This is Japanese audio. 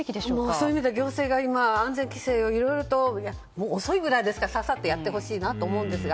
そういう意味で行政が安全規制をいろいろともう、遅いぐらいですからササッとやってほしいと思うんですが。